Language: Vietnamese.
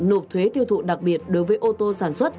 nộp thuế tiêu thụ đặc biệt đối với ô tô sản xuất